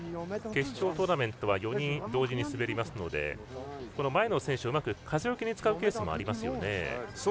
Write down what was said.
決勝トーナメントは４人同時に滑りますので前の選手をうまく風よけに使うケースもありますね。